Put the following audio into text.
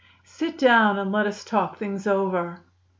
"Sit down and let us talk things over."